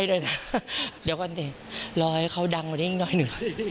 เป็นเด็กปั้นพี่เอ๋